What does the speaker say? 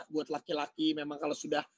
buat laki laki memang kalau sudah